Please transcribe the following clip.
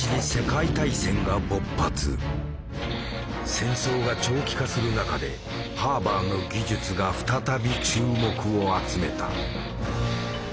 戦争が長期化する中でハーバーの技術が再び注目を集めた。